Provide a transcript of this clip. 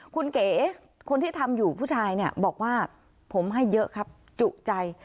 คุณเก๋คนที่ทำอยู่ผู้ชายเนี่ยบอกว่าผมให้เยอะครับจุใจ